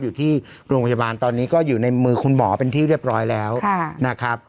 อยู่ที่โรงพยาบาลตอนนี้ก็อยู่ในมือคุณหมอเป็นที่เรียบร้อยแล้วนะครับ